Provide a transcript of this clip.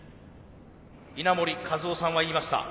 稲盛和夫さんは言いました。